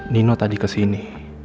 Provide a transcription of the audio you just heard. nino tadi kesini